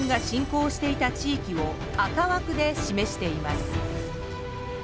こうしていた地域を赤枠で示しています。